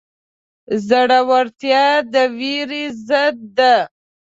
زړورتیا د وېرې ضد ده.